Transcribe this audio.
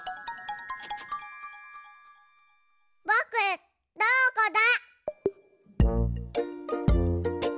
ぼくどこだ？